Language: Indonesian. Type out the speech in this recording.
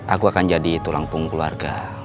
aku akan jadi tulang punggung keluarga